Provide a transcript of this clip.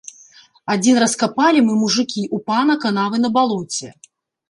Адзін раз капалі мы, мужыкі, у пана канавы на балоце.